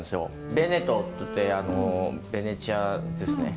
ヴェネトといってヴェネチアですね